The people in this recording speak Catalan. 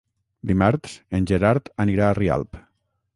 Dimarts en Gerard anirà a Rialp.